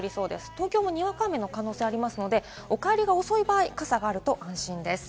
東京もにわか雨の可能性ありますので、お帰りが遅い場合、傘があると安心です。